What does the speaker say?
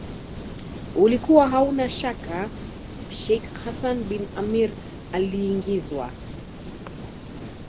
ulikuwa hauna shaka Sheikh Hassan bin Amir aliingizwa